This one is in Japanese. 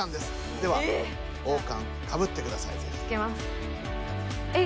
では王冠かぶってください